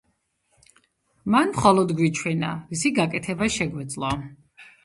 მან მხოლოდ გვიჩვენა, რისი გაკეთება შეგვეძლო.